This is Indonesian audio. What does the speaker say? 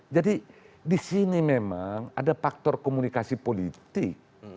jadi disini memang ada faktor komunikasi politik